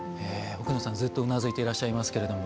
奥野さんずっとうなずいていらっしゃいますけれども。